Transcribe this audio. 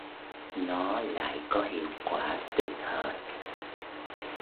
Nó lại có hiệu quả tức thời